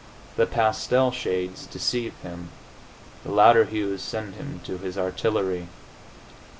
The pastel shades deceive him; the louder hues send him to his artillery.